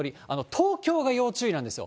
東京が要注意なんですよ。